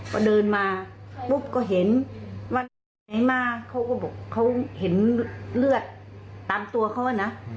พอเดินมาปุ๊บก็เห็นว่าไหนมาเขาก็บอกเขาเห็นเลือดตามตัวเขานะ